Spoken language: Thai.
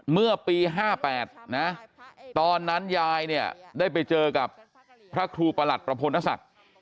เมื่อปี๕๘นะตอนนั้นยายเนี่ยได้ไปเจอกับพระครูประหลัดประพลศักดิ์